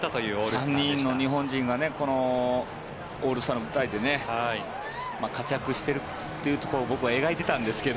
３人の日本人がこのオールスターの舞台で活躍しているというところを僕は描いていたんですけど。